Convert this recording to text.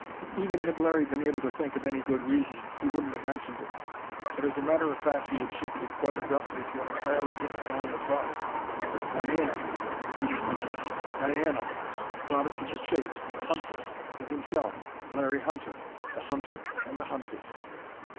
Even had Larry been able to think of any good reason, he wouldn't have mentioned it. But as a matter of fact, he had shifted quite abruptly to an entirely different line of thought. Diane, he was thinking Diana, goddess of the chase, the huntress! And himself, Larry Hunter the hunter and the huntress!